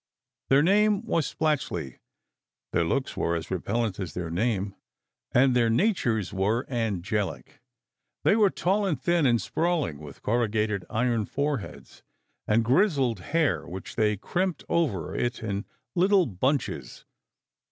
Their name was Splatchley; their looks were as repellent as their name; and their natures were angelic. They were tall 246 SECRET HISTORY 247 and thin and sprawling, with corrugated iron foreheads, and grizzled hair which they crimped over it in little bunches.